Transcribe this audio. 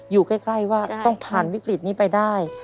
อยู่ใกล้ว่าต้องผ่านวิกฤตนี้ไปได้